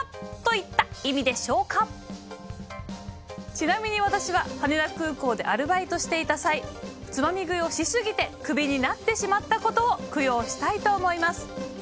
ちなみに私は羽田空港でアルバイトしていた際つまみ食いをしすぎてクビになってしまった事を供養したいと思います。